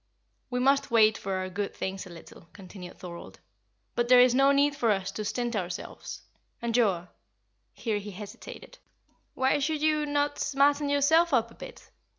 "We must wait for our good things a little," continued Thorold; "but there is no need for us to stint ourselves. And Joa," here he hesitated "why should you not smarten yourself up a bit.